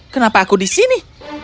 kenapa aku di sini